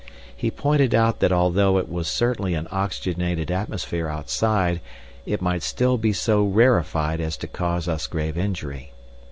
He pointed out that although it was certainly an oxygenated atmosphere outside, it might still be so rarefied as to cause us grave injury.